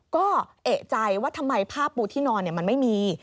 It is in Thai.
ก็เอกใจว่าทำไมผ้าปูที่นอนมันไม่มี